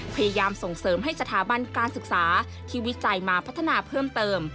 พยายามส่งเสริมให้สถาบันการศึกษาที่วิจัยมาพัฒนาเพิ่มเติม